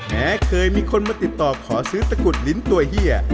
แม้เคยมีคนมาติดต่อขอซื้อตะกุดลิ้นตัวเฮีย